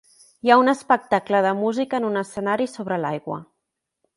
Hi ha un espectacle de música en un escenari sobre l'aigua.